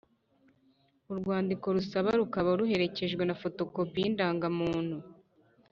Urwandiko rusaba rukaba ruherekejwe na fotokopi y’indangamuntu